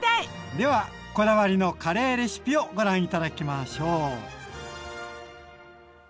ではこだわりのカレーレシピをご覧頂きましょう。